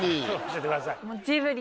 教えてください。